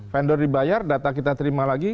vendor dibayar data kita terima lagi